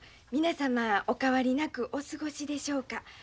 皆様お変わりなくお過ごしでしょうか。